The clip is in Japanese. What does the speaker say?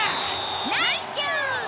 ナイスシュート！